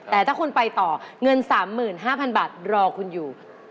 แต่ถ้าคุณไปต่อเงิน๓๕๐๐๐บาทรอคุณอยู่